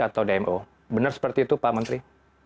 atau dmo benar seperti itu pak menteri